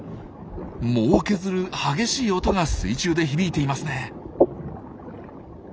藻を削る激しい音が水中で響いていますね。